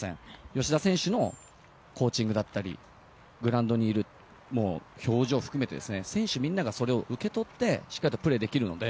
吉田選手のコーチングだったりグラウンドにいる表情を含めて選手みんながそれを受け取ってしっかりプレーできるので。